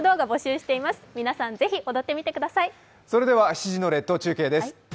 ７時の列島中継です。